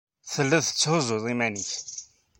Tellid tetthuzzud iman-nnek.